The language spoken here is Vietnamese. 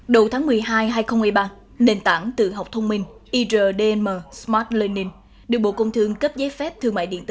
đầu tháng một mươi hai hai nghìn một mươi ba nền tảng tự học thông minh irdm smart learning được bộ công thương cấp giấy phép thương mại điện tử